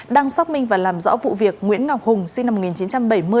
đang xác minh và làm rõ vụ việc nguyễn ngọc hùng sinh năm một nghìn chín trăm bảy mươi